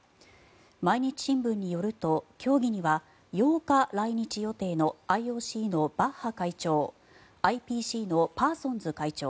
毎日新聞によると協議には８日来日予定のＩＯＣのバッハ会長ＩＰＣのパーソンズ会長